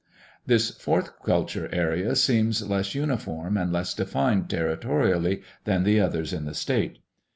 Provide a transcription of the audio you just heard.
This fourth culture area seems less uniform and less defined territorially than the others in the state.